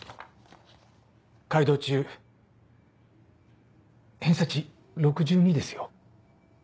海堂中偏差値６２ですよ。